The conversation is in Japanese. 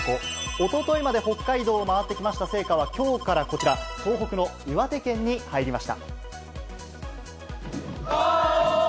おとといまで北海道を回ってきました聖火は、きょうからこちら、東北の岩手県に入りました。